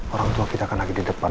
orang tua kita kan lagi di depan